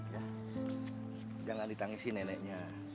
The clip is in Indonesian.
jangan ditangisi neneknya